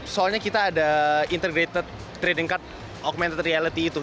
soalnya kita ada integrated trading card augmented reality itu